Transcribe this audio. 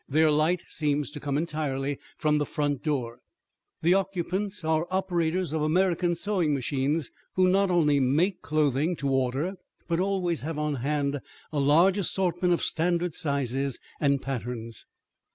Their light seems to come entirely from the front door. The occupants are operators of American sewing machines who not only make clothing to order, but always have on hand a large assortment of standard sizes and patterns.